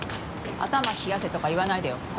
頭冷やせとか言わないでよ。